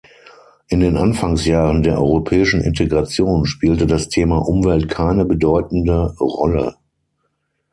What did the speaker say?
In den Anfangsjahren der europäischen Integration spielte das Thema Umwelt keine bedeutende Rolle.